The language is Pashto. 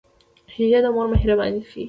شیدې د مور مهرباني ښيي